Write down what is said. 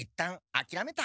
あきらめた？